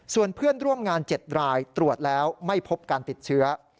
ส่วนเพื่อนร่วมงาน๗รายตรวจแล้วไม่พบการติดเชื้อ